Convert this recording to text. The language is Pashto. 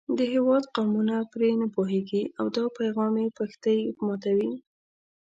د هېواد قومونه پرې نه پوهېږي او دا پیغام یې پښتۍ ماتوي.